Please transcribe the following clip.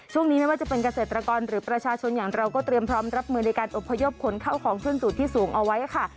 ไม่ว่าจะเป็นเกษตรกรหรือประชาชนอย่างเราก็เตรียมพร้อมรับมือในการอบพยพขนเข้าของขึ้นสู่ที่สูงเอาไว้ค่ะ